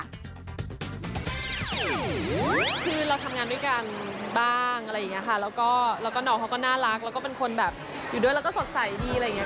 คือเราทำงานด้วยกันบ้างอะไรอย่างนี้ค่ะแล้วก็น้องเขาก็น่ารักแล้วก็เป็นคนแบบอยู่ด้วยแล้วก็สดใสดีอะไรอย่างเงี้